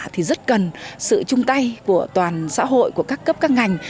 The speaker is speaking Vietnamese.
thì rất cần sự chung tay của toàn xã hội của các cấp các ngành